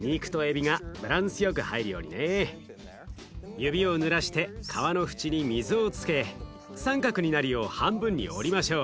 指をぬらして皮の縁に水をつけ三角になるよう半分に折りましょう。